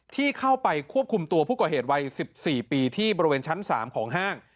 ที่เข้าไปควบคุมตัวผู้ก่อเหตุวัย๑๔ปีที่บริเวณชั้น๓ของห้าง